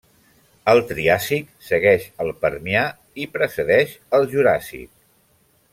El Triàsic segueix el Permià i precedeix el Juràssic.